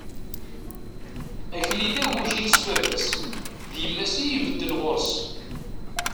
Akli d agujil s baba-s, d yemma-s i ibedden ɣur-s.